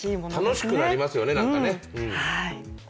楽しくなりますよね、なんかね。